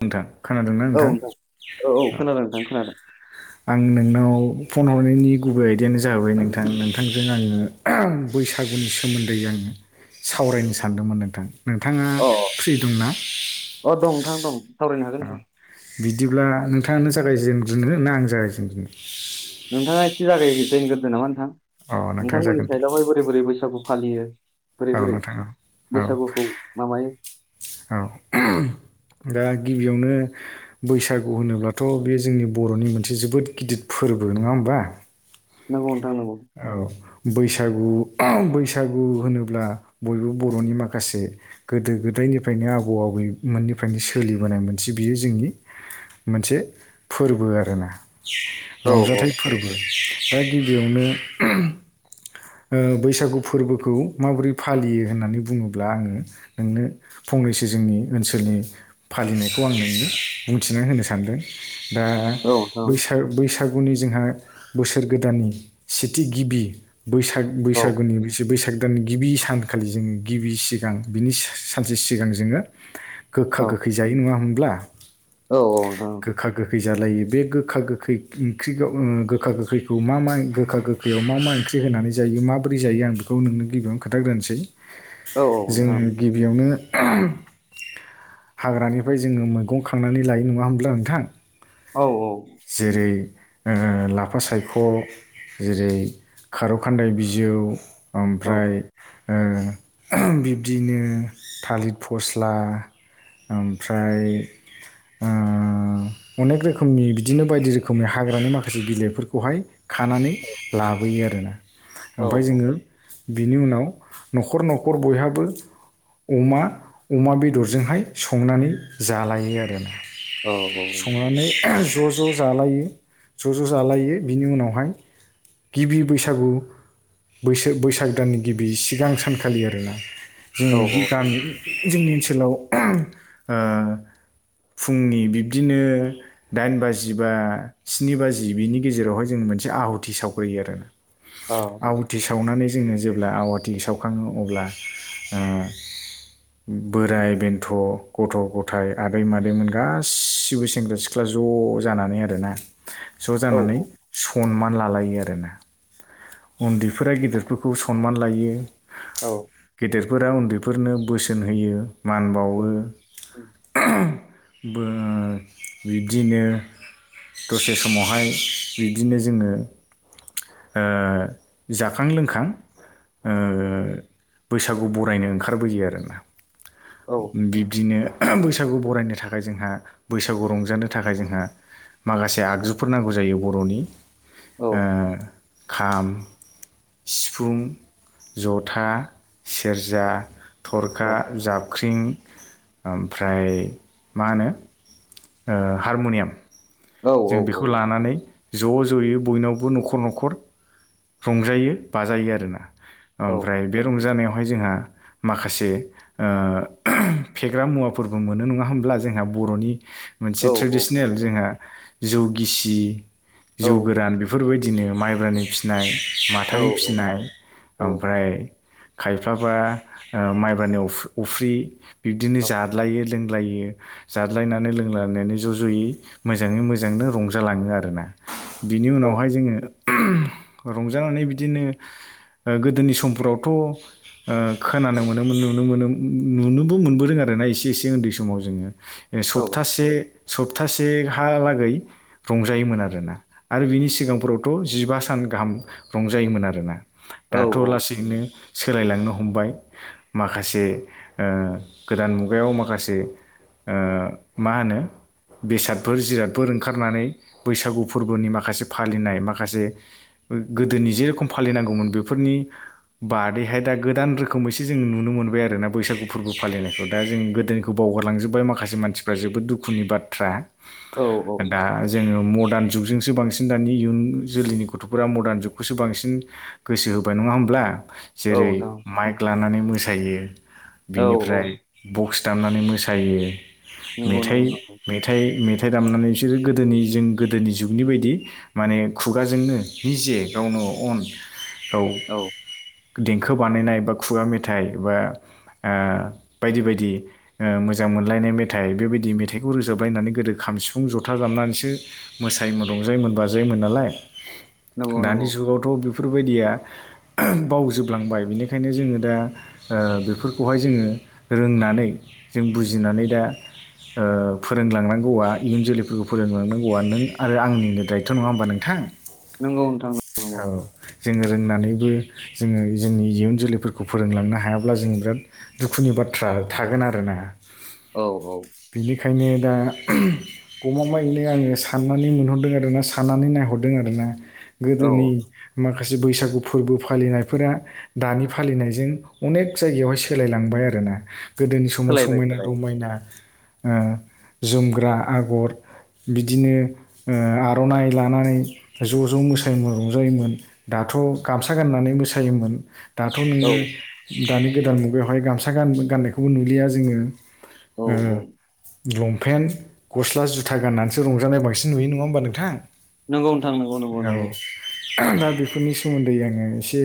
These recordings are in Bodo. नोंथां खोनादोंना औ नोंथांअ नोंथां औ औ खोनादों नोंथां खोनादों आं नोंनाव फन हरनायनि गुबै आयदायानो जाबाय नोंथां नोंथांजों आङो बैसागुनि सोमोन्दै आङो सावरायनो सानदोंमोन नोंथां नोंथाङा अ अ फ्रि दंना अ दं नोंथां दं सावरायनो हागोन औ नोंथां बिदिब्ला नोंथांआनो जागायजेनग्रोनोना आङो जागायजेनग्रोनो नोंथाङा एसे जागाय जेनग्रोदो नामा नोंथां अ नोंथां नोंथांमोननि जागोन दे साइडआवहाय बोरै बोरै बैसागु फालियो बोरै औ बोरै नोंथां औ औ बैसागुखौ माबायो औ [inaudible] फोरबो नङा होमबा नंगौ नोंथां नंगौ औ बैसागु बैसागु होनोब्ला बयबो बर'नि माखासे गोदो गोदाय निफ्रायनो आबौ आबैमोननिफ्रायनो सोलिबोनाय मोनसे बियो जोंनि मोनसे फोरबो आरोना औ रंजाथाइ फोरबो दा गिबियावनो ओ बैसागु फोरबोखौ माबोरै फालियो होननानै बुङोब्ला आङो नोंनो फंनैसो जोंनि ओनसोलनि फालिनायखौ आं नोंनो बुंथिना होनो सानदों दा औ नोंथां बैसाग बैसागुनि जोंहा बोसोर गोदाननि सेथि गिबि बैसाग औ बैसागुनि बैसागो दान गिबि सानखालि जों गिबि सिगां बिनि सानसे सिगां जोङो गोखा औ गोख गोखै जायो नङा हब्ला औ औ नोंथां गोखा गोख खै जालायो बे गोखा-गोखै खि ओंख्रिखौ ओ गोखा-गोखैखौ मा-मा गोखा गोखैआव मा-मा ओंख्रि होनानै जायो माबोरै जायो आं बेखौ नोंनो गिबियावनो खोनथाग्रोनोसै औ औ नोंथां जोङो गिबियावनो ओहोम हाग्रानिफ्राय जोङो मैगं खांनानै लायो नङा होमब्ला नोंथां औ औ जेरै लाफा ओ सायख' जेरै खारौ खान्दाय बिजौ औ ओमफ्राय ओ ओहोम बिब्दिनो थालिर फस्ला ओमफ्राय ओ अनेक रोखोमनि बिदिनो बायदि रोखोमनि हाग्रानि माखासे बिलाइफोरखौहाय खानानै लाबोयो आरोना औ ओमफाय जोङो बिनि उनाव अमा, अमा बेदरजोंहाय संनानै जालायो आरो ना औ संनानै ओ ज'-ज' जालायो ज'-ज' जालायो बिनि उनावहाय गिबि बैसागु बैस बैसागो दाननि गिबि सिगां सानखालि आरोना जों औ दि गामि जोंनि ओनसोलाव ओहोम ओ [inaudible] [inaudible] ब्ला आवाथि सावखाङो अब्ला ओ बोराइ-बेन्थ, ' गथ'-गथाय आदै-मादैमोन गासिबो सेंग्रा-सिख्ला ज' जानानै आरोना, ज' जानानै सनमान लालायो आरो आरोना उन्दैफोरा गेदेरफोरखौ सनमान लायो औ गेदेरफोरा उन्दैफोरनो बोसोन होयो मान बावो ओहोम बो बिब्दिनो दसे समावहाय बिब्दिनो जोङो ओ जाखां-लोंखां ओ बैसागु बरायनो ओंखारबोयो आरोना बिब्दिनो बोसोर बैसागु बरायनो थाखाय जोंहा बैसागु रंजानो थाखाय जोंहा माखासे आगजुफोर नांगौ जायो बर'नि ओ खाम सिफुं, जथा, सेरजा थरखा, जाबख्रिं ओमफ्राय मा होनो ओ हारमुनियाम जों बेखौ लानानै ज'-ज'यै बयनावबो न'खर न'खर रंजायो, बाजायो आरोना ओमफ्राय बे रंजानायाव वहाय जोंहा माखासे ओ फेग्रा मुवाफोरबो मोनो नङा होमब्ला जोंहा बर'नि मोनसे थ्रेदिसेनेल जोंहा जौ गिसि, जौ गोरान बेफोरबायदि बिदिनो माइब्रानि फिसिनाय, माथानि फिसिनाय औ ओमफ्राय खायफाबा ओ माइब्रानि अफि अफ्रि बिब्दिनो औ जालायो लोंलायो जादलायनानै लोंलायनानै ज'- ज'यै मोजाङै- मोजांनो रंजालाङो आरोना बिनि औ उनावहाय जोङो उम रंजानानै बिदिनो ओ गोदोनि समफोरावथ' ओ खोनानो मोनोमोन नुनो मोनो नुनोबो मोनबोदों आरोना एसे-एसे उन्दै समाव जोङो ए औ सप्तासे सप्तासेहालागै रंजायोमोन आरोना आरो बिनि सिगांफोरावथ' जिबा सान गाहाम रंजायोमोन आरोना औ दाथ' लासैनो सोलायलांनो हमबाय माखासे ओ गोदान मुगायाव माखासे ओ मा होनो बेसादफोर जिराद फोर ओंखारनानै बैसागु फोरबोनि माखासे फालिनाय माखासे गोदोनि जेरेखम फालिनांगौमोन बेफोरनि बादैहाय दा गोदान रोखोमैसो जों नुनो मोनबाय आरो ना बैसागु फोरबो फालिनायखौ दा जों गोदोनिखौ बाव हगारलांजोब्बाय माखासे मानसिफ्रा जोबोद दुखुनि बाथ्रा औ औ दा जोङो मदार्न जुगजोंसो बांसिन दानि इयुन जोलैनि गथ'फोरा मडार्न जुगखौसो बांसिन गोसो होबाय नङा होमब्ला औ जेरै नोंथां माइक लानानै मोसायो औ औ बिनिफ्राय बक्स दामनानै मोसायो नोंंगौ मेथाइ नोंगौ न मेथाइ मेथाइ दामनानै बिसोरो गोदोनि जों गोदोनि जुगनि बायदि माने खुगाजोंनो निजे गावनो अन औ देंखो बानायनाय बा खुगा मेथाइ बा ओ बायदि बायदिओ मोजां मोनलायनाय मेथाइ बेबायदि मेथाइ खौ रोजाबलायनानै गोदो खामसिफ फुं ज'था दामनानैसो मोसायोमोन रंजायोमोन बाजायोमोन नालाय नंगौ दानि नंगौ जुगावथ' बे बेफोरबायदिया ओह बावजोबलांबाय बिनिखायनो जोङो दा ओ बेफोरखौहाय जोङो रोंनानै जों बुजिनानै दा ओ फोरोंलांनांगौआ इयुन जोलैफोरखौ फोरोंलांनांगौआ नों आरो आंनिनो दायथ' नङा होमबा नोंथां नंगौ नोंथां नंगौ औ जोङो रोंनानैबो जोङो जोंनि इयुन जोलैफोरखौ फोरोंलांनो हायाब्ला जों बिराद दुखुनि बाथ्रा थागोन आरो ना औ औ बेनिखायनो दा उम गमामायैनो आङो साननानै मोनहरदों आरो ना साननानै नायहरदों आर ना गोदोनि औ माखासे बैसागु फोरबो फालिनायफोरा दानि फालिनायजों अनेक जायगायावहाय सोलायलांबाय बाय आरोना गोदोनि समाव सोलायबाय समायना सोलायबाय रमायना ओ जोमग्रा आगर बिदिनो ओ आर'नाइ लानानै ज' ज' मोसायोमोन रंजायोमोन द दाथ' गामसा गाननानै मोसायोमोन दाथ' औ नोङो दानि गोदान मुगायावहाय गामसा गान गाननायखौबो नुलिया जोङो औ ओ औ लंपेन्ट गस्ला जुथा गाननानैसो रंजानाय बांसिन नुयो नङा होमबा नोंथां नंगौ नोंथां नंगौ नंगौ औ नंगौ दा बेफोरनि सायाव सोमोन्दै आङो एसे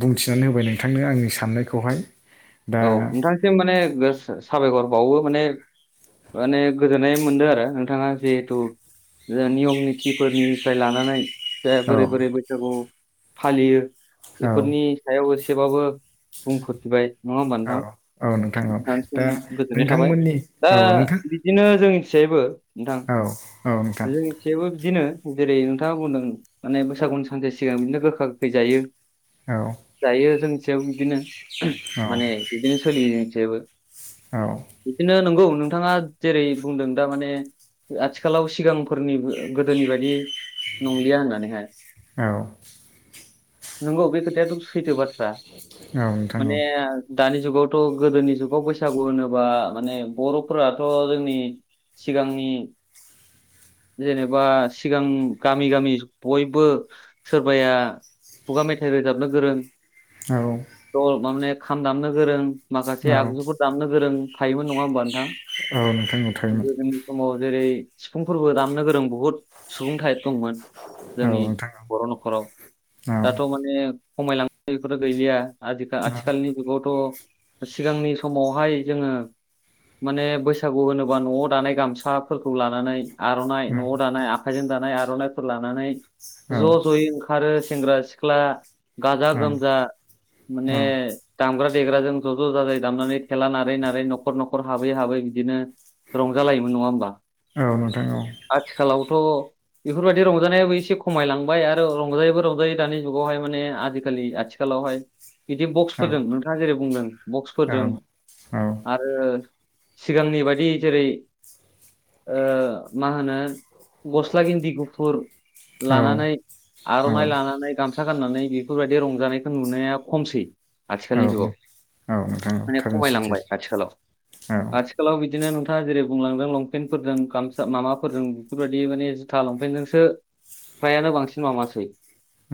बुंथिनानै होबाय नोंथांनो आंनि साननायखौहाय दा औ नोंथांसिम माने गोस साबायखर बावो माने माने गोजोननाय मोनदों आरो नोंथाङा जिहेथु ओ नियम नितिफोरनिफ्राय लानानै दे औ बोरै बोरै बैसागु फालियो औ बेफोरनि सायाव एसे एसेबाबो बुंफोरफिबाय नङा होमबा औ नोंथां औ नोंथां औ नोंथांसिम दा गोजोननाय थाबाय नोंथांमोननि दा औ नोंथां बिदिनो जोंनि सेबो नोंथां औ औ नोंथां जोंनिथिबो बिदिनो जेरै नोंथाङा बुंदों माने बैसागु सानसे सिगां बिदिनो गोखा गोखै जायो औ जायो जोंसेयाव बिदिनो औ माने बिदिनो सोलियो जोंसेबो औ बिदिनो नंगौ नोंथाङा जेरै बुंदों दा माने आथिखालाव सिगांफोरनि गोदोनि बायदि नंलिया होननानैहाय औ नोंगौ बे खोथाय़ा सैथ बा औ नोंथां औ ओ दानि जुगावथ' गोदोनि जुगाव बैसागु होनोबा माने बर'फोराथ' जोंनि सिगांनि जेनेबा सिगां गामि गामि बयबो सोरबाया खुगा मेथाइ रोजाबनो गोरों औ दल माने खाम दामनो गोरों माखासे आगजुफोर दामनो गोरों थायोमोन नङा होमबा नोंथां थारैनो गोदोनि समाव जेरै सिफुंफोरबो दामनो गोरों बुहुद सुबुं थाइफ दंमोन औ जोंनि नोंथां औ बर' न'खराव औ औ दाथ' माने खमायलांनाय बेफोरो गैलिया आ औ आथिखालनि जुगावथ' सिगांनि समावहाय जोङो माने बैसागु होनोबा न'आव दानाय गामसाफोरखौ लानानै आर'नाइ न'आव दानाय आखाइजों दानाय आर'नाइफोर लानानै ज' ज'यै ओंखारो सेंग्रा सिख्ला गाजा गोमजा माने दामग्रा देग्राजों ज' ज' जाजायो दामनानै थेला नारै नारै न'खर न'खर हाबै हाबै बिदिनो रंजालायोमोन नङा हबा औ नोंथां औ आथिखालावथ' बेफोरबायदि रंजानायाबो एसे खमायलांबाय आरो रंजायैबो रंजायो दानि जुगावहाय माने आजिखालि आथि आथिखालावहाय बिदि बक्सफोरजों औ नोंथाङा जेरै बुंदों औ बक्सफोरजों आरो सिगांनि बादि जेरै मा होनो गस्ला गिन्दि गुफुर औ लानानै औ आर'नाइ लानानै गामसा खोथा गाननानै बेफोरबायदि रंजानायखौ नुनाया खमसै औ आथिखालनि जुगाव नोंथां औ माने थारैनो सैथो खमायलांबाय आथिखालाव औ आथिखालाव बिदिनो नोंथाङा जेरै बुंलांदों लंपेन्टफोरजों गामसा माबाफोरजों बेफोरबायदि माने जुथा लंपेन्टजोंसो फ्रायानो बांसिन मासै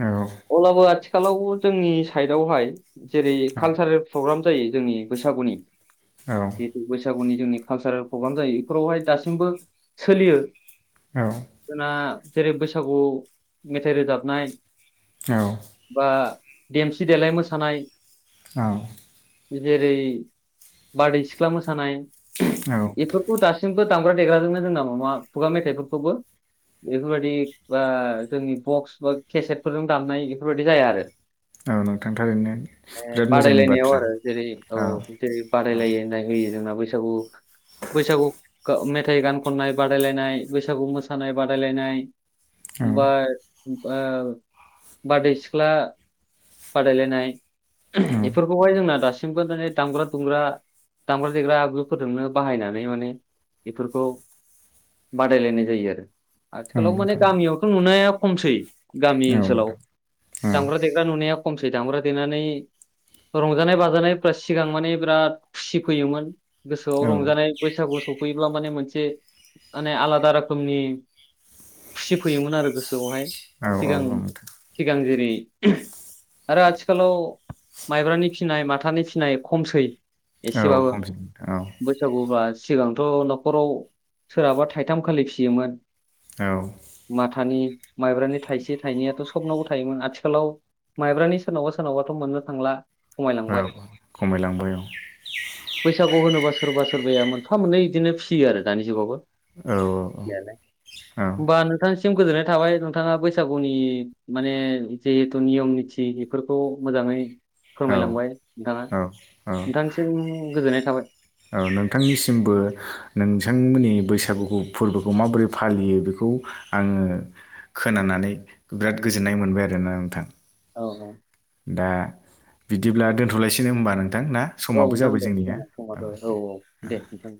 औ आथिखालाव जोंनि साइडआवहाय जेरै औ कालसारेल प्रग्राम जायो जोंनि बैसागुनि औ जिेतु बैसागुनि जोंनि कालसारेल प्रग्राम जायो बेफोरावहाय दासिमबो सोलियो औ जोंना जेरै बैसागु मेथाइ रोजाबनाय बा देमसि देेलाय मोसानाय औ जेरै बारदै सिख्ला मोसानाय बेफोरखौ दासिम दामग्रा देग्राजोबनो जों नामा मा खुगा मेथाइफोरखौबो । बेफोरबायदि बा जोंनि बक्स बा केसेटफोरजों दामनाय बेफोरबायाददि जाया आरो औ नोंथां थारैनो ए बिराद मोजांनि बादायलायनायाव बाथ्रा आरो जेरै औ जेरै बादायलायो नाय होयो जोंना बैसागु बैसागु मेथाइ गान खननाय बादायलायनाय बैसागु मोसानाय बादायलायनाय औ ओमफ्राय बा बारदै सिख्ला बादायलायनाय औ बेफोरखौहाय जोंना दासिमबो दिनै दामग्रा दुमग्रा दामग्रा देग्रा आगजुफोरजोंनो बाहायनानै माने बेफोरखौ बादायलायनाय जायो आरो नोंथां औ आथिखालाव माने नोंथां गामियावथ' नुनाया खमसै गामि औ ओनसोलाव दामग्रा नायख खमसै दामग्रा देनानै रंजानाय बाजानायफ्रा सिगां माने बिराद खुसि फैयोमोन गोसोआव रंजानाय बैसागु सफैयोब्ला माने मोनसे माने आलादा रोखोमनि खुसि फैयोमोन आरो गोसोआवहाय औ औ सिगां नोंथां सिगां जेरै आरो आथिखालाव माइब्रानि फिनाय माथानि फिनाय खमसै औ एसे बाबो खमसै नोंथां बैसागुबा सिगांथ' न'खराव सोरहाबा थाइथाम खालि फियोमोन औ माथानि माइब्रानि थाइसे थाइनैयाथ' सबनावबो थायोमोन आथिखालाव। माइब्रानि सोरनावबा सोरनावबाथ' मोननो थांला औ खमायलांबाय खमायलांबाय औ बैसागु होनोबासो। सोरबा सोरबाया मोनफा मोननै बिदिनो फियो आरो दानि जुगावबो। औ फिनायालाइ बा औ नोंथाङा सि सिम गोजोननाय थाबाय नोंथाङा बैसागुनि माने जे। जिथु नियम निथि बेफोरखौ मोजाङै फोरमायलांबाय औ नोंथाङा औ औ नोंथांसिम गोजोननाय थाबाय। औ नोंथांनिसिमबो नोंथांमोननि बैसागु फोरबोखौ माबोरै फालियो बेखौ। खौ आङो खोनानानै बिराद गोजोननाय मोनबाय आरोना नोंथां। औ औ। दा बिदिब्ला दोन्थ'लायसैनो होमबा नोंथां ना औ समाबो नोंथां जाबाय दे जोंनिया। जोंना समा औ औ दे नोंथां।